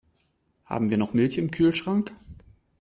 Haben wir noch Milch im Kühlschrank?